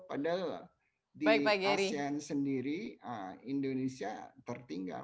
padahal di asean sendiri indonesia tertinggal